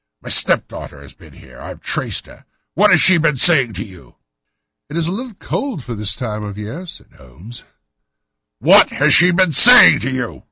My stepdaughter has been here. I have traced her. What has she been saying to you?" "It is a little cold for the time of the year," said Holmes. "What has she been saying to you?"